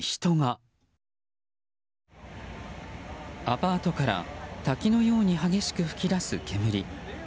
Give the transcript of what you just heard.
アパートから滝のように激しく噴き出す煙。